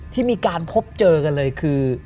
ที่มีการพบเจอกันเลยคือ